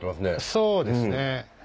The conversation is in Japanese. そうですね。